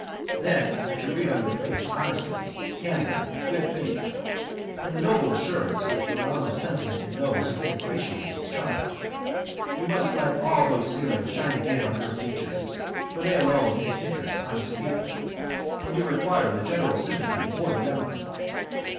Then I could read on your face honesty, candour, good faith, and the noble assurance which arouses sentiment in those who can appreciate its charm. You must let all those feelings shine again on your features; for they alone can interest honest people, and you require the general sympathy more than ever.